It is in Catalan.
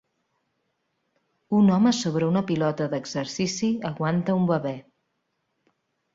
Un home sobre una pilota d'exercici aguanta un bebè.